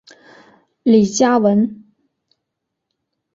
李嘉文。